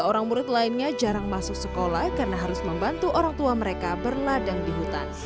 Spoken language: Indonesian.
semua murid lainnya jarang masuk sekolah karena harus membantu orangtua mereka berladang di hutan